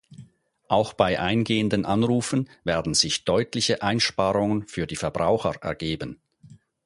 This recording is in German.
Auch bei eingehenden Anrufen werden sich deutliche Einsparungen für die Verbraucher ergeben.